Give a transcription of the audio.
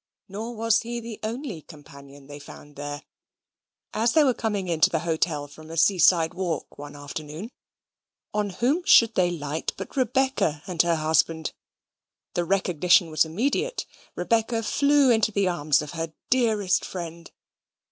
Nor was he the only companion they found there. As they were coming into the hotel from a sea side walk one afternoon, on whom should they light but Rebecca and her husband. The recognition was immediate. Rebecca flew into the arms of her dearest friend.